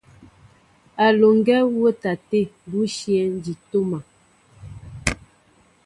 A lɔŋgɛ wɔtaté bushɛŋ di toma.